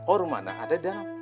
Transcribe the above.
oh rumana ada di dalam